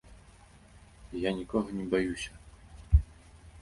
Я нікога не баюся.